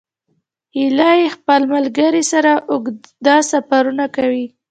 هیلۍ خپل ملګري سره اوږده سفرونه کوي